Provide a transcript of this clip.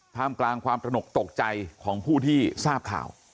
ท่ามกลางความตระหนกตกใจของผู้ที่ทราบข่าว